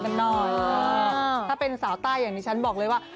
กันหน่อยถ้าเป็นสาวใต้อย่างนี้ฉันบอกเลยว่า